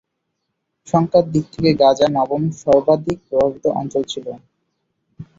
সংখ্যার দিক থেকে গাজা নবম সর্বাধিক প্রভাবিত অঞ্চল ছিল।